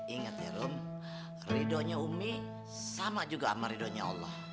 ingat ya rum ridhonya umi sama juga sama ridhonya allah